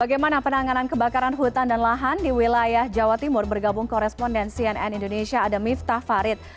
bagaimana penanganan kebakaran hutan dan lahan di wilayah jawa timur bergabung koresponden cnn indonesia ada miftah farid